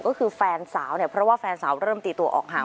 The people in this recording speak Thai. ก็คือแฟนสาวเนี่ยเพราะว่าแฟนสาวเริ่มตีตัวออกห่าง